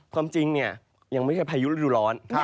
ความจริงเนี่ยยังไม่ใช่พายุฤดูร้อน